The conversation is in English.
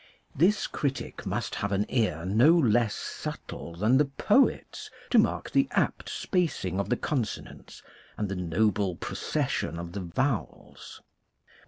This critic must have an ear no less subtle than the poet's to mark the apt spacing of the con sonants and the noble procession of the vowels.